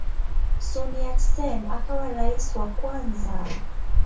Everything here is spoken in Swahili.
Sun Yat-sen akawa rais wa kwanza.